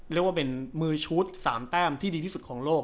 เรียกว่าเป็นมือชุด๓แต้มที่ดีที่สุดของโลก